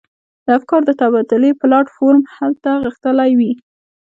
د افکارو د تبادلې پلاټ فورم هلته غښتلی وي.